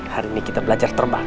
hari ini kita belajar terbang